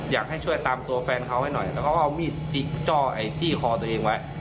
อยากให้ช่วยตามตัวแฟนเขาให้หน่อยแล้วเขาก็เอามีดจี้คอตัวเองไว้